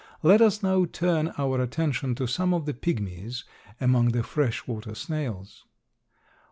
Let us now turn our attention to some of the pigmies among the fresh water snails.